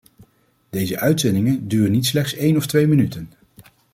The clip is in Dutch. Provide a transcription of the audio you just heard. Deze uitzendingen duren niet slechts één of twee minuten.